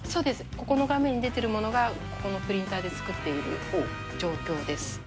ここの画面に出てるものが、ここのプリンターで作っている状況です。